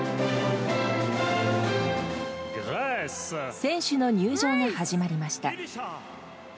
選手の入場が始まりました。